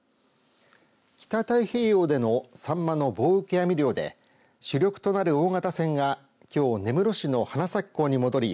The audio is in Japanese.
北太平洋でのサンマの棒受け網漁で主力となる大型船がきょう根室市の花咲港に戻り